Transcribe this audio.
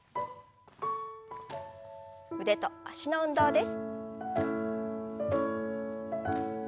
腕と脚の運動です。